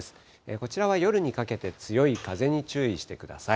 こちらは夜にかけて強い風に注意してください。